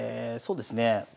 そうですね